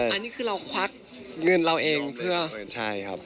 อันนี้คือเราควักเงินเราเองเพื่อใช่ครับ